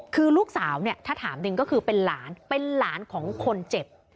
คือลูกสาวเนี่ยถ้าถามหนึ่งก็คือเป็นหลานเป็นหลานของคนเจ็บ